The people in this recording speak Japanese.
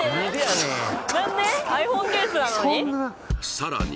さらに